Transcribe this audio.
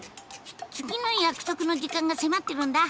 次の約束の時間が迫ってるんだ。